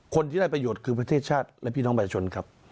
คนที่ได้ประโยชน์คือประเทศชาติและพี่น้องประชาชนครับ